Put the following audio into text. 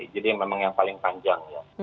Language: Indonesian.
jadi memang yang paling panjang